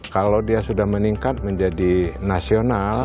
kalau dia sudah meningkat menjadi nasional